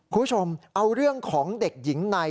คุณผู้ชมเอาเรื่องของเด็กหญิงใน